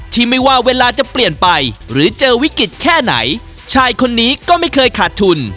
ไม่ว่าเวลาจะเปลี่ยนไปหรือเจอวิกฤตแค่ไหนชายคนนี้ก็ไม่เคยขาดทุน